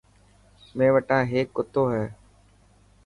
مين وٽا هيڪ ڪتو هي.